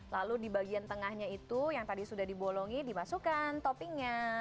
lalu di bagian tengahnya itu yang tadi sudah dibolongi dimasukkan toppingnya